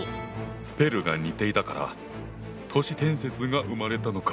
スペルが似ていたから都市伝説が生まれたのか。